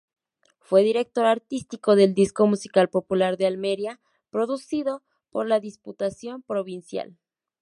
Fue director artístico del disco "Música Popular de Almería", producido por la Diputación Provincial.